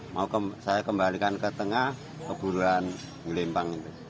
mau saya kembalikan ke tengah kebuluhan dilempang